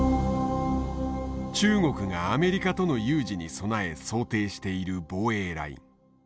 中国がアメリカとの有事に備え想定している防衛ライン。